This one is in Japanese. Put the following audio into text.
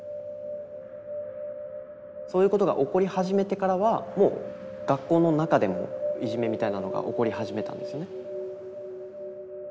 そういうことが起こり始めてからはもう学校の中でもいじめみたいなのが起こり始めたんですよね。